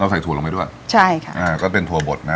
ใส่ถั่วลงไปด้วยใช่ค่ะอ่าก็เป็นถั่วบดนะ